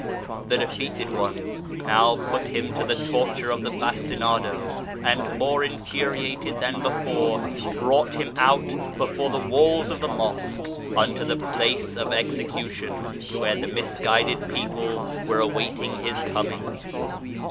The defeated ones now put him to the torture of the bastinado, and more infuriated than before brought him out before the walls of the Mosque unto the place of execution, where the misguided people were awaiting his coming.